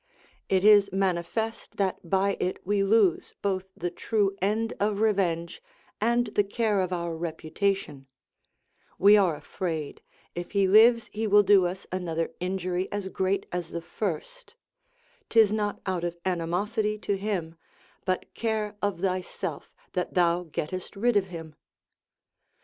It is manifest that by it we lose both the true end of revenge and the care of our reputation; we are afraid, if he lives he will do us another injury as great as the first; 'tis not out of animosity to him, but care of thyself, that thou gettest rid of him.